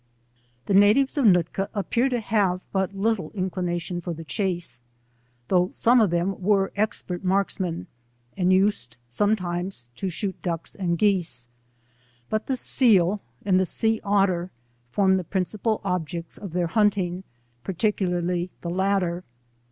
The natives of Nootka appear to have bat little inclination for the chace, though some of them were expert marksmen, and used sometimes to shoot ducks and geese, hut the seal and the sea otter form the principal objects of their huaticg, parti cularly the latter.